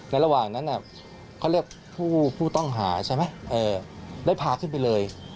ระหว่างนั้นเขาเรียกผู้ต้องหาใช่ไหมได้พาขึ้นไปเลย